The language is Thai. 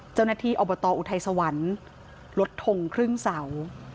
เจ้าหน้าที่อบตอุทัยสวรรค์ลดทงครึ่งเสา